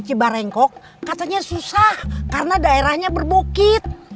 dulu di cibarengkok katanya susah karena daerahnya berbukit